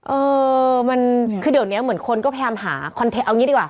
เออมันคือเดี๋ยวนี้เหมือนคนก็พยายามหาคอนเทนต์เอางี้ดีกว่า